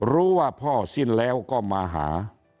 รู้ว่าพ่อสิ้นแล้วก็มาหา